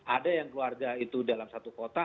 ada yang keluarga itu dalam satu kota